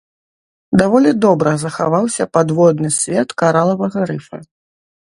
Даволі добра захаваўся падводны свет каралавага рыфа.